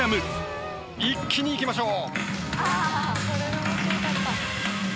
一気に行きましょう。